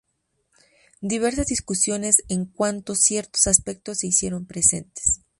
Diversas discusiones en cuanto ciertos aspectos se hicieron presentes.